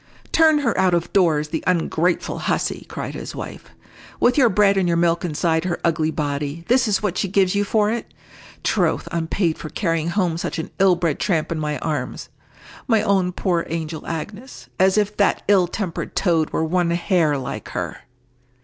"Turn her out of doors, the ungrateful hussy!" cried his wife. "With your bread and your milk inside her ugly body, this is what she gives you for it! Troth, I'm paid for carrying home such an ill bred tramp in my arms! My own poor angel Agnes! As if that ill tempered toad were one hair like her!"